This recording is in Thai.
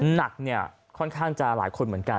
หนักเนี่ยค่อนข้างจะหลายคนเหมือนกัน